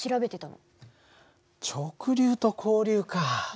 直流と交流か。